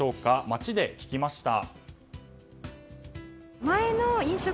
街で聞きました。